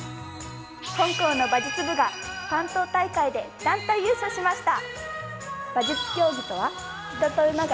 本校の馬術部が関東大会で団体優勝しました。